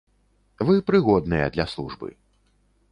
Вы прыгодныя для службы.